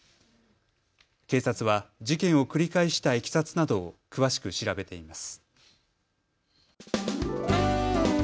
警察は事件を繰り返したいきさつなどを詳しく調べています。